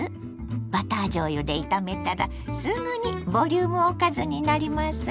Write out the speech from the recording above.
バターじょうゆで炒めたらすぐにボリュームおかずになりますよ。